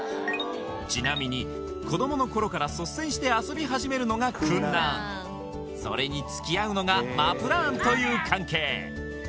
ちなみに子どもの頃から率先して遊び始めるのがクンナーンそれにつきあうのがマプラーンという関係